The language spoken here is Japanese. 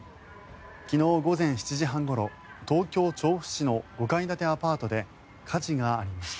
昨日午前７時半ごろ東京・調布市の５階建てアパートで火事がありました。